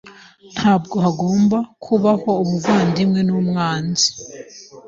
Ntabwo hagomba kubaho ubuvandimwe n'umwanzi.